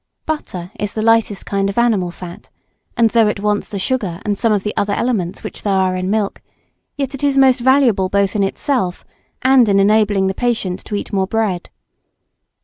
Butter is the lightest kind of animal fat, and though it wants the sugar and some of the other elements which there are in milk, yet it is most valuable both in itself and in enabling the patient to eat more bread.